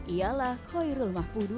ialah hoirul mahpudua